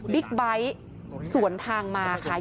ไบท์สวนทางมาค่ะ